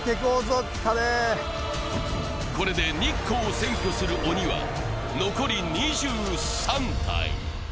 これで日光を占拠する鬼は残り２３体。